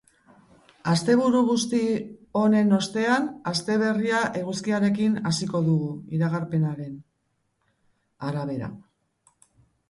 Asteburu busti honen ostean aste berria eguzkiarekin hasiko dugu, iragarpenaren arabera.